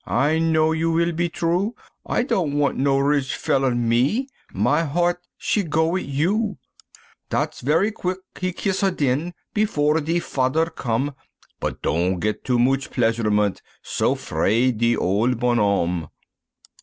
I know you will be true, I don't want no riche feller me, ma heart she go wit' you," Dat's very quick he's kiss her den, before de fader come, But don't get too moche pleasurement so 'fraid de ole Bonhomme.